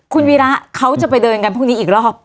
คุณวีระเขาจะไปเดินกันพรุ่งนี้อีกรอบ